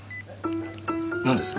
なんです？